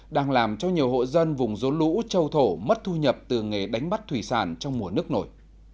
đang làm cho nhiều hộ dân vùng rốn lũ châu thổ mất thu nhập từ nghề đánh bắt thủy sản trong mùa nước nổi